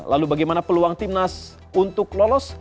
lalu bagaimana peluang timnas untuk lolos